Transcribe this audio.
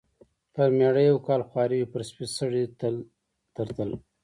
پر مېړه یو کال خواري وي، پر سپي سړي تل تر تله.